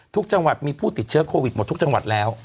ทุกจังหวัดมีผู้ติดเชื้อโควิดหมดทุกจังหวัดแล้ว